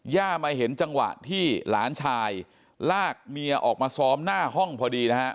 มาเห็นจังหวะที่หลานชายลากเมียออกมาซ้อมหน้าห้องพอดีนะฮะ